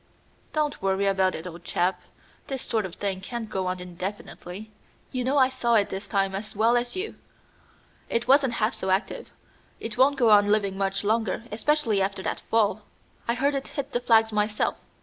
"Don't worry about it, old chap. This sort of thing can't go on indefinitely. You know I saw it this time as well as you. It wasn't half so active. It won't go on living much longer, especially after that fall. I heard it hit the flags myself.